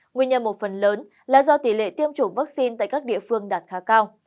nguyên nhân một phần lớn là do tỷ lệ tiêm chủng vaccine tại các địa phương đạt khá cao